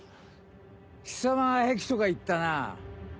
貴様は壁とか言ったなぁ。